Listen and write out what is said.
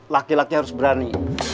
laki laki harus berani